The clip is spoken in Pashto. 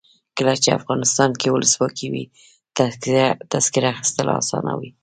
کله چې افغانستان کې ولسواکي وي تذکره اخیستل اسانه وي.